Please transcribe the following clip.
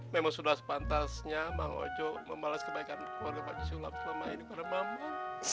memang sudah sepantasnya bang hojo membalas kebaikan keluarga bang haji sulam selama ini pada mama